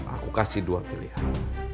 aku kasih dua pilihan